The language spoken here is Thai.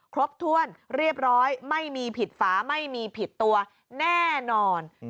ครบถ้วนเรียบร้อยไม่มีผิดฝาไม่มีผิดตัวแน่นอน